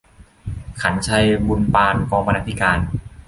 ขรรค์ชัย บุนปาน กองบรรณาธิการ